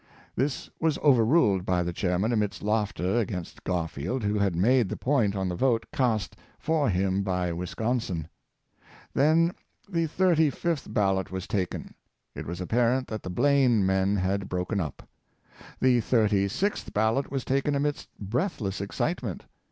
This was overruled by the Chairman amidst laughter against Garfield, who had made the point on the vote cast for him by Wisconsin. Then the thirty fifth ballot was taken. It was appa rent that the Blaine men had broken up. The thirty sixth ballot was taken amidst breathless excitement.